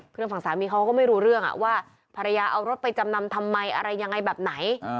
ทางฝั่งสามีเขาก็ไม่รู้เรื่องว่าภรรยาเอารถไปจำนำทำไมอะไรยังไงแบบไหน